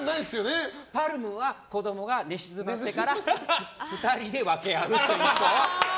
パルムは子供が寝静まってから２人で１個を分け合うっていう。